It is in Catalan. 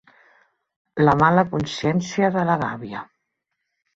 La mala consciència de la gàbia.